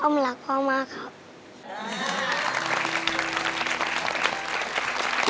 อ้อมรักพ่อมากครับ